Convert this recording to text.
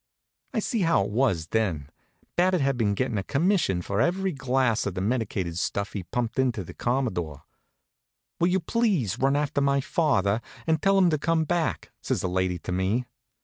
I sees how it was then; Babbitt had been gettin' a commission for every glass of the medicated stuff he pumped into the Commodore. "Will you please run after my father and tell him to come back," says the lady to me.